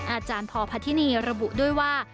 อาจารย์พพธินีระบุด้วยว่า